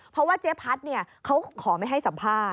เพราะว่าเจ๊พัดเขาขอไม่ให้สัมภาษณ